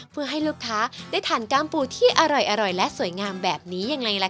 เพื่อให้ลูกค้าได้ทานกล้ามปูที่อร่อยและสวยงามแบบนี้ยังไงล่ะค่ะ